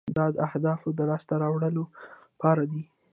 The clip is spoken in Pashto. دا د اهدافو د لاسته راوړلو لپاره دی.